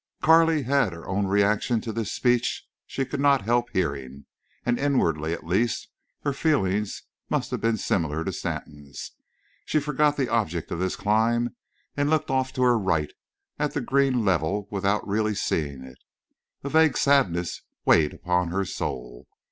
Carley had her own reaction to this speech she could not help hearing; and inwardly, at least, her feeling must have been similar to Stanton's. She forgot the object of this climb and looked off to her right at the green level without really seeing it. A vague sadness weighed upon her soul.